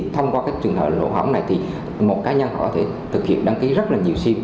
thông qua trường hợp lộ hỏng này một cá nhân có thể thực hiện đăng ký rất nhiều sim